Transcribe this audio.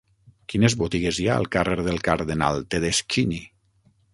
Quines botigues hi ha al carrer del Cardenal Tedeschini?